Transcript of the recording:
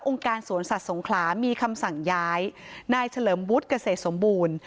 การสวนสัตว์สงขลามีคำสั่งย้ายนายเฉลิมวุฒิเกษตรสมบูรณ์